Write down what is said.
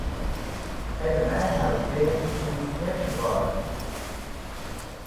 It may have been insectivorous.